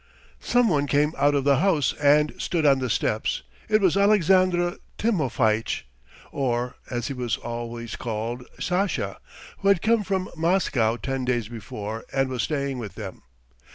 Some one came out of the house and stood on the steps; it was Alexandr Timofeitch, or, as he was always called, Sasha, who had come from Moscow ten days before and was staying with them.